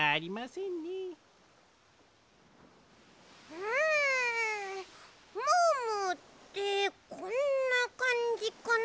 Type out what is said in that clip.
うんムームーってこんなかんじかな？